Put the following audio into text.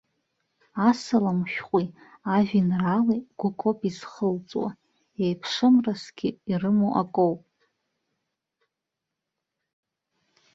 Асалам шәҟәи ажәеинраалеи гәыкоуп изхылҵуа, еиԥшымрасгьы ирымоу акоуп.